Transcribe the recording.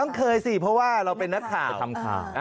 ต้องเคยสิเพราะว่าเราไปนัดข่าว